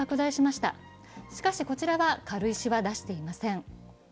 しかし、こちらは軽石は出していません。